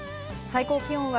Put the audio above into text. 最高気温は